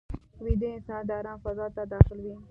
ویده انسان د آرام فضا ته داخل وي